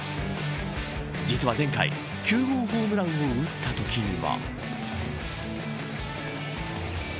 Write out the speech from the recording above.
実は前回、９号ホームランを打ったときには。